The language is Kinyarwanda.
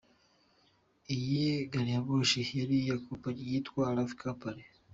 Iyi gariyamoshi yari iya kompanyi yitwa Renfe company.